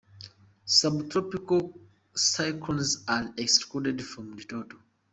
Subtropical cyclones are excluded from the total.